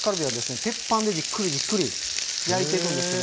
鉄板でじっくりじっくり焼いていくんですけど。